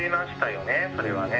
☎それはね